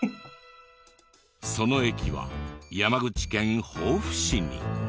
その駅は山口県防府市に。